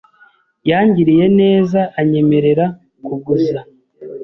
Yangiriye neza anyemerera kuguza.